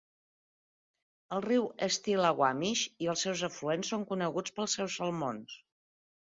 El riu Stillaguamish i els seus afluents són coneguts per els seus salmons.